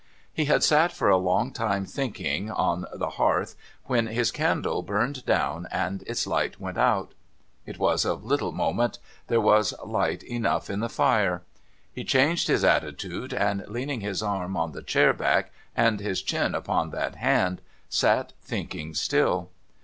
He had sat for a long time thinking, on the hearth, when his candle burned down and its light went out. It was of little moment ; there was light enough in the fire. He changed his attitude, and, leaning his arm on the chair back, and his chin upon that hand, sat thinking still.